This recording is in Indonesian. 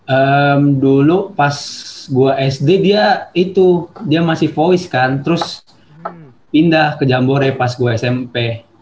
eh dulu pas gue sd dia itu dia masih voice kan terus pindah ke jambore pas gue smp